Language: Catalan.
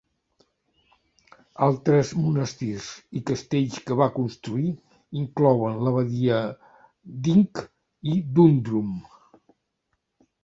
Altres monestirs i castells que va construir inclouen l'abadia d'Inch i Dundrum.